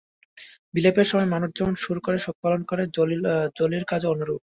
বিলাপের সময় মানুষ যেমন সুর করে শোক পালন করে, জলির কাজও অনুরূপ।